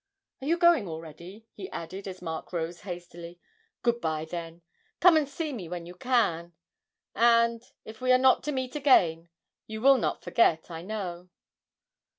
Are you going already?' he added, as Mark rose hastily; 'good bye, then; come and see me when you can, and if we are not to meet again you will not forget, I know.'